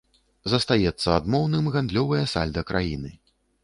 Застаецца адмоўным гандлёвае сальда краіны.